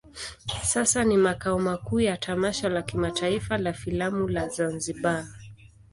Sasa ni makao makuu ya tamasha la kimataifa la filamu la Zanzibar.